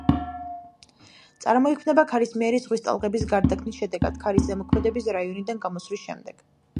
წარმოიქმნება ქარისმიერი ზღვის ტალღების გარდაქმნის შედეგად ქარის ზემოქმედების რაიონიდან გამოსვლის შემდეგ.